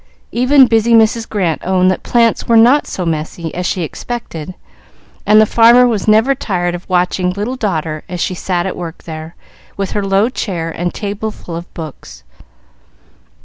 Even busy Mrs. Grant owned that plants were not so messy as she expected, and the farmer was never tired of watching "little daughter" as she sat at work there, with her low chair and table full of books.